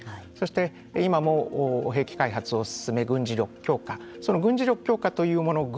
そして、今も兵器開発を進め軍事力強化その軍事力強化というもの